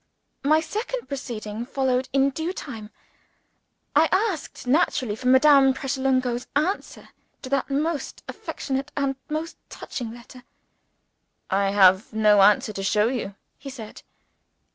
My second proceeding followed in due time. I asked, naturally, for Madame Pratolungo's answer to that most affectionate and most touching letter. "I have no answer to show you," he said.